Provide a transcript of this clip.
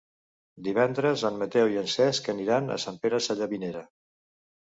Divendres en Mateu i en Cesc aniran a Sant Pere Sallavinera.